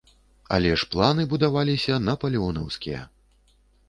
Але ж планы будаваліся напалеонаўскія.